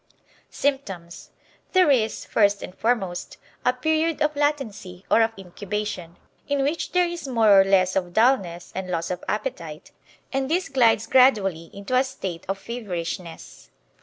Symptoms There is, first and foremost, a period of latency or of incubation, in which there is more or less of dullness and loss of appetite, and this glides gradually into a state of feverishness.